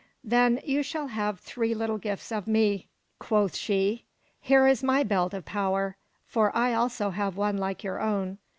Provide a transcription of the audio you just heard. "Then you shall have three little gifts of me," quoth she. "Here is my belt of power for I also have one like your own."